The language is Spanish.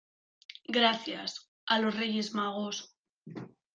gracias. a los Reyes Magos .